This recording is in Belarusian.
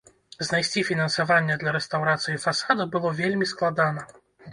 Знайсці фінансаванне для рэстаўрацыі фасада было вельмі складана.